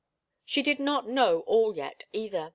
She did not know all yet, either.